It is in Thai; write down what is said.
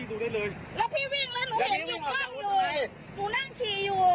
หนูนั่งชีอยู่